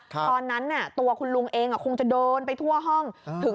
ตอนนั้นตัวคุณลุงเองคงจะโดนไปทั่วห้อง